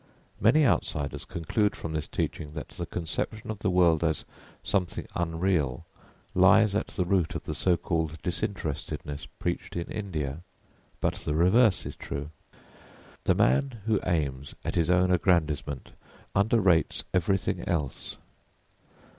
Many outsiders conclude from this teaching that the conception of the world as something unreal lies at the root of the so called disinterestedness preached in India. But the reverse is true. The man who aims at his own aggrandisement underrates everything else.